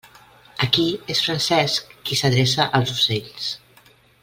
Aquí és Francesc qui s'adreça als ocells.